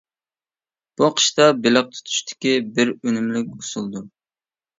بۇ قىشتا بېلىق تۇتۇشتىكى بىر ئۈنۈملۈك ئۇسۇلدۇر.